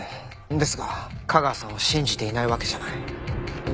ですが架川さんを信じていないわけじゃない。